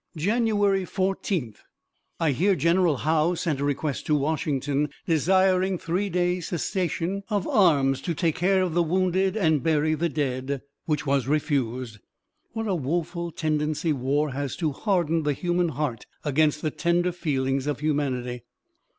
"Jan. 14. I hear Gen. Howe sent a request to Washington desiring three days' cessation of arms to take care of the wounded and bury the dead, which was refused; what a woeful tendency war has to harden the human heart against the tender feelings of humanity.